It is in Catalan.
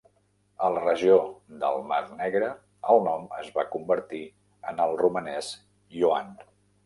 A la regió del Mar Negre, el nom es va convertir en el romanès Ioan.